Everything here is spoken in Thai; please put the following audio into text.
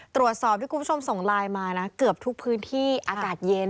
ตรวจสอบที่คุณผู้ชมส่งไลน์มานะเกือบทุกพื้นที่อากาศเย็น